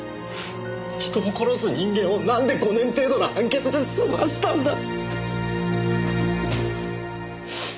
人を殺す人間をなんで５年程度の判決で済ませたんだ！